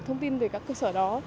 thông tin về các cơ sở đó